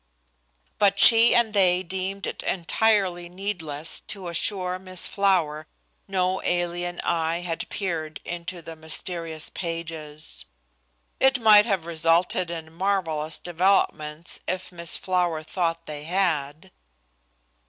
But she and they deemed it entirely needless to assure Miss Flower no alien eye had peered into the mysterious pages. (It might have resulted in marvellous developments if Miss Flower thought they had.)